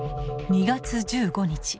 ２月１５日